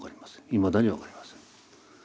いまだに分かりません。